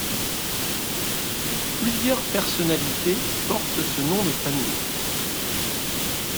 Plusieurs personnalités portent ce nom de famille.